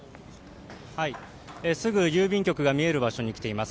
すぐ郵便局が見える場所に来ています。